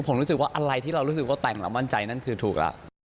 ผมรู้สึกว่าอะไรที่เรารู้สึกว่าแต่งแล้วมั่นใจนั่นคือถูกแล้ว